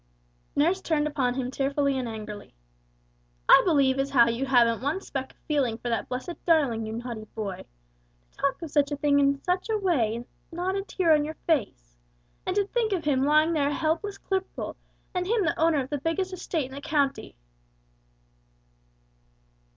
Nurse turned upon him tearfully and angrily, "I believe as how you haven't one speck of feeling for that blessed darling, you naughty boy! To talk of such a thing in such a way with not a tear on your face! And to think of him laying there a helpless cripple, and him the owner of the biggest estate in the county!"